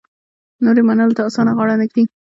نور یې منلو ته اسانه غاړه نه ږدي.